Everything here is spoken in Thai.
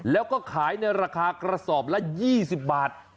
แล้วก็ขายในราคากระสอบละ๒๐บาท